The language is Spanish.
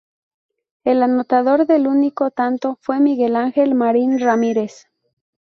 El anotador del único tanto fue Miguel Ángel Marin Ramírez.